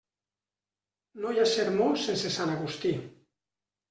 No hi ha sermó sense sant Agustí.